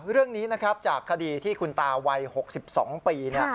เรื่องนี้นะครับจากคดีที่คุณตาวัย๖๒ปี